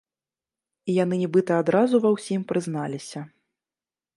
І яны нібыта адразу ва ўсім прызналіся.